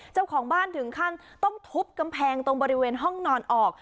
เจ้าของบ้านถึงขั้นต้องทุบกำแพงตรงบริเวณห้องนอนออก